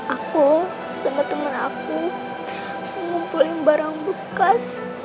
aku sama temen aku ngumpulin barang bekas